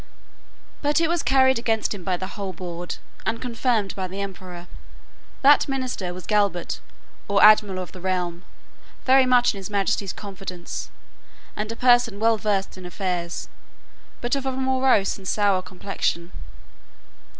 But it was carried against him by the whole board, and confirmed by the emperor. That minister was galbet, or admiral of the realm, very much in his master's confidence, and a person well versed in affairs, but of a morose and sour complexion.